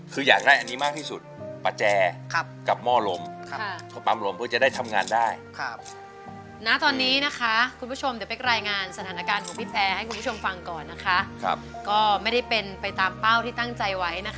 คืออยากได้อันมากที่สุดก็ปาแจ